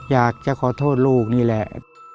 อยากจะขอโทษลูกนี่แหละ